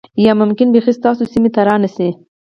یا ممکن بیخی ستاسو سیمې ته را نشي